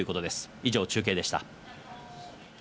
以上、中継でした。